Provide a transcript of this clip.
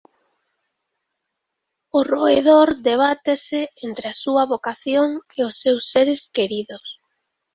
O roedor debátese entre a súa vocación e os seus seres queridos.